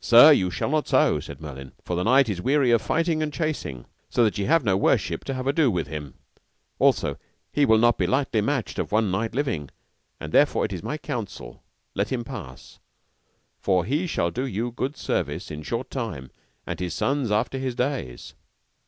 Sir, you shall not so, said Merlin, for the knight is weary of fighting and chasing, so that ye shall have no worship to have ado with him; also he will not be lightly matched of one knight living, and therefore it is my counsel, let him pass, for he shall do you good service in short time, and his sons after his days.